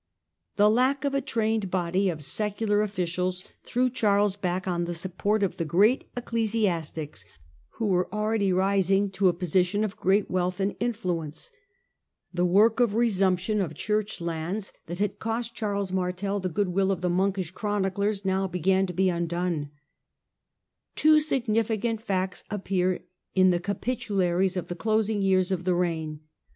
The lack of a trained body of secular officials thivw Charles back on the support of the great ecclesiastics who were already rising to a position of great wealth and influence. The work of resumption of Church lands, LAW AND ADMINISTRATION IN THE EMPIRE 189 that had cost Charles Martel the goodwill of the monkish chroniclers, now began to be undone. Two significant facts appear in the Capitularies of Begin ning of the closing years of the reign.